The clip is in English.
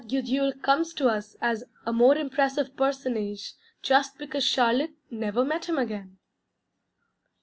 Gudule comes to us as a more impressive personage just because Charlotte _never met him again.